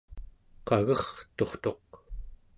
qagerturtuq